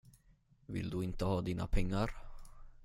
Vill du inte ha dina pengar?